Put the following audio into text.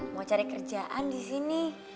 mau cari kerjaan di sini